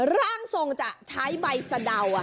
ร่างทรงจะใช้ใบสะเดา